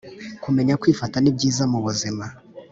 Kumenya kwifata nibyiza mubuzima